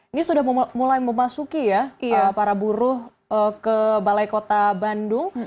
ini sudah mulai memasuki ya para buruh ke balai kota bandung